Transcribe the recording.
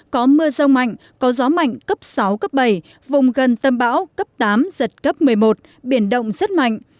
có mưa rông mạnh có gió mạnh cấp sáu cấp bảy vùng gần tâm bão cấp tám giật cấp một mươi một biển động rất mạnh